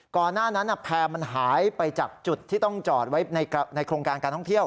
ก่อนหน้านั้นแพร่มันหายไปจากจุดที่ต้องจอดไว้ในโครงการการท่องเที่ยว